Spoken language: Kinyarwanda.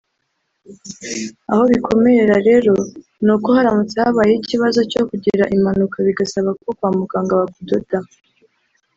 aho bikomerera rero nuko iyo haramutse habayeho ikibazo cyo kugira impanuka bigasaba ko kwa muganga bakudoda